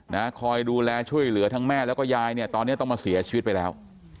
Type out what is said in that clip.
นะคอยดูแลช่วยเหลือทั้งแม่แล้วก็ยายเนี่ยตอนเนี้ยต้องมาเสียชีวิตไปแล้ว